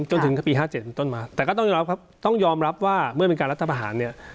จนถึงปีห้าเจ็ดต้นมาแต่ก็ต้องยอมรับว่าเมื่อเป็นการรัตรพารเนี่ย